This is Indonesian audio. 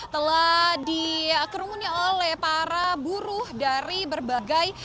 telah dikerumuni oleh para buruh dari berbagai